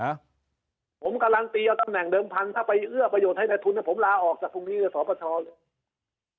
ให้ในทุนก็ผมลาออกจากทุกที่นี่เนี่ยสปฐเลย